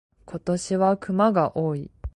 今年は熊が多い。